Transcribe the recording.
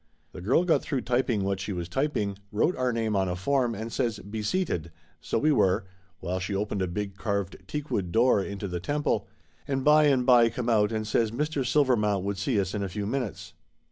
The girl got through typing what she was typing, wrote our name on a form, and says "Be seated," so we were, while she opened a big carved teakwood door into the temple, and by and by come out and says Mr. Silver mount would see us in a few minutes.